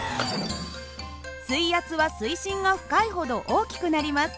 水圧は水深が深いほど大きくなります。